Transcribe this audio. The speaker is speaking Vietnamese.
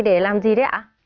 để làm gì đấy ạ